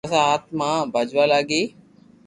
پسي آٽتما بجوا لاگي